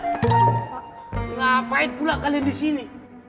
kenapa pula kalian di sini